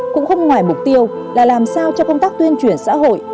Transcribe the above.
cũng không ngoài mục tiêu là làm sao cho công tác tuyên truyền xã hội